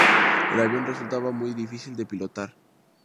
El avión resultaba muy difícil de pilotar.